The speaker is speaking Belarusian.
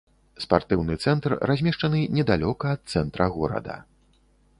Спартыўны цэнтр размешчаны недалёка ад цэнтра горада.